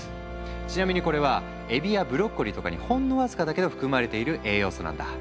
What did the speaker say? ちなみにこれはエビやブロッコリーとかにほんの僅かだけど含まれている栄養素なんだ。